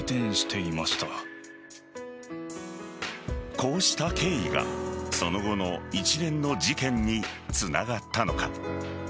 こうした経緯がその後の一連の事件につながったのか。